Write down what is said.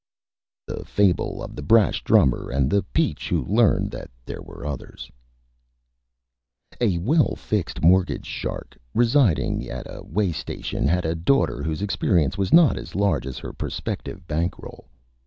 _ THE FABLE OF THE BRASH DRUMMER AND THE PEACH WHO LEARNED THAT THERE WERE OTHERS A well fixed Mortgage Shark, residing at a Way Station, had a Daughter whose Experience was not as large as her prospective Bank Roll.